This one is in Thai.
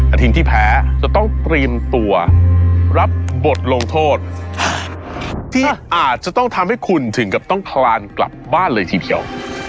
ทีมที่แพ้จะต้องเตรียมตัวรับบทลงโทษที่อาจจะต้องทำให้คุณถึงกับต้องคลานกลับบ้านเลยทีเดียว